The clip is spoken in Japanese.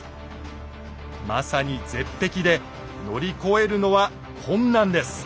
まさに絶壁で乗り越えるのは困難です。